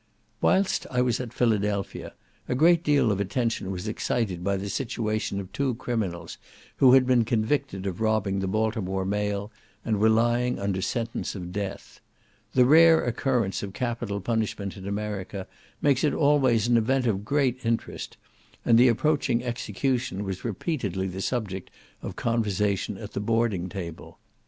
Whilst I was at Philadelphia a great deal of attention was excited by the situation of two criminals, who had been convicted of robbing the Baltimore mail, and were lying under sentence of death. The rare occurrence of capital punishment in America makes it always an event of great interest; and the approaching execution was repeatedly the subject of conversation at the boarding table.